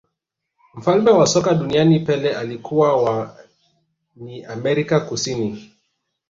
mfalme wa soka duniani pele alikuwa wa ni amerika kusini